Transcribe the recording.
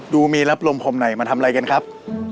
ดูมีรับลมพรมไหนมาทำอะไรกันครับ